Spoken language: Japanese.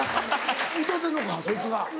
歌うてんのかそいつが。